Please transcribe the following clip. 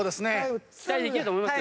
期待できると思いますよ。